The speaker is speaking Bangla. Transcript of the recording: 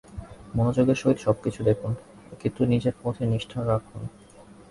মনোযোগের সহিত সব কিছু দেখুন, কিন্তু নিজের পথে নিষ্ঠা রাখুন।